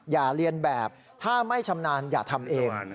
อย่าเรียนแบบถ้าไม่ชำนาญอย่าทำเอง